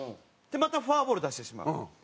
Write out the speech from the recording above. またフォアボール出してしまう。